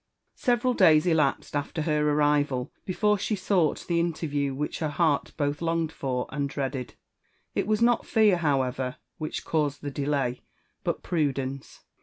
Several days elapsed after her arrival before she sought the inter yiew which her heart both longed for and dreaded. It was not fear, however, which caused the delay, but prudence.